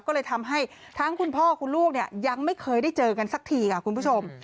ก็เลยทำให้ทั้งคุณพ่อคุณลูกเนี่ยยังไม่เคยได้เจอกันสักทีค่ะคุณผู้ชม